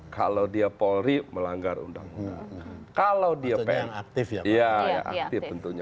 kalau dia polri melanggar undang undang